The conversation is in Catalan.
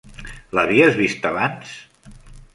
L'havies vista abans?